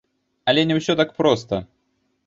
Але не ўсё так проста!